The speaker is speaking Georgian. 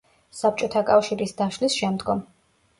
საბჭოთა კავშირის დაშლის შემდგომ.